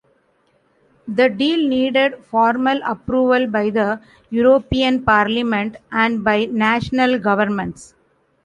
The deal needed formal approval by the European Parliament and by national governments.